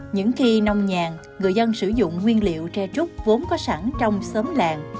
những khi nông nhàn người dân sử dụng nguyên liệu tre trúc vốn có sẵn trong xóm làng